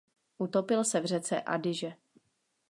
Utopil se v řece Adiže.